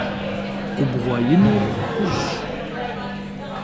Губгъуэ иныр хужьщ.